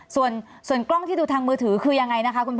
ส่วนกล้องที่ดูทางมือถือคือยังไงนะคะคุณพ่อ